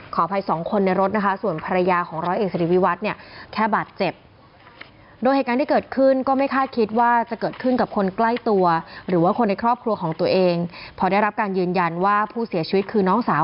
ขออภัยสองคนในรถนะคะส่วนภรรยาของร้อยเอกสิริวิวัฒน์เนี่ยแค่บาดเจ็บ